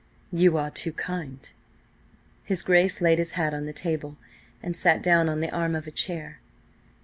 "You are too kind." His Grace laid his hat on the table, and sat down on the arm of a chair.